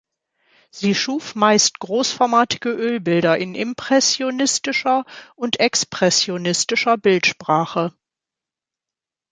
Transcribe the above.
Sie schuf meist großformatige Ölbilder in impressionistischer und expressionistischer Bildsprache.